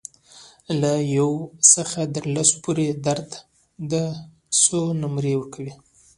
له یو څخه تر لسو پورې درد ته څو نمرې ورکوئ؟